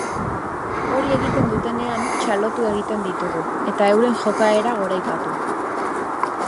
Hori egiten dutenean txalotu egiten ditugu eta euren jokaera goraipatu.